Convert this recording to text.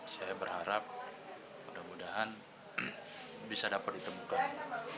saya berharap mudah mudahan bisa dapat ditemukan